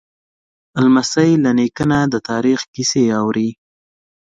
لمسی له نیکه نه د تاریخ کیسې اوري.